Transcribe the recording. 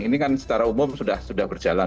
ini kan secara umum sudah berjalan